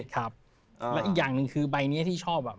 แล้วอีกอย่างหนึ่งคือใบนี้ที่ชอบ